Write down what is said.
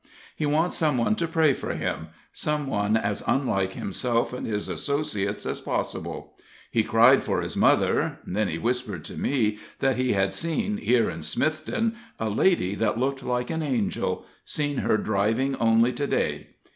He wants some one to pray for him some one as unlike himself and his associates as possible. He cried for his mother then he whispered to me that he had seen, here in Smithton, a lady that looked like an angel seen her driving only to day.